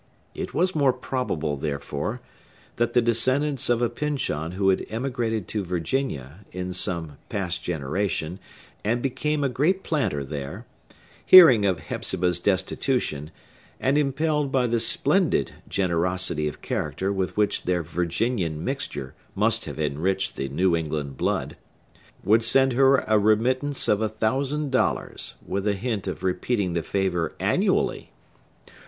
It was more probable, therefore, that the descendants of a Pyncheon who had emigrated to Virginia, in some past generation, and became a great planter there,—hearing of Hepzibah's destitution, and impelled by the splendid generosity of character with which their Virginian mixture must have enriched the New England blood,—would send her a remittance of a thousand dollars, with a hint of repeating the favor annually.